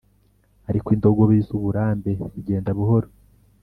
ariko indogobe z'uburambe zigenda buhoro